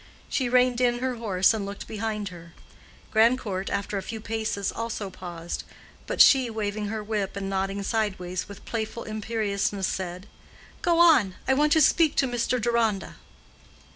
She reined in her horse and looked behind her; Grandcourt after a few paces, also paused; but she, waving her whip and nodding sideways with playful imperiousness, said, "Go on! I want to speak to Mr. Deronda."